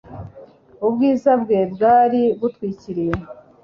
Ubwiza bwe bwari butwikiriye,